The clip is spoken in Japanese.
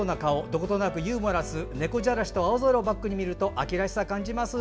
どことなくユーモラス猫じゃらしと青空をバックに見ると秋らしさを感じます。